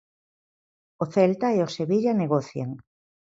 O Celta e o Sevilla negocian.